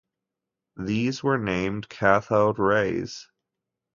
These were named cathode rays.